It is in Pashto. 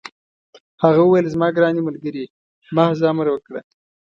هغه وویل: زما ګرانه ملګرې، محض امر وکړه.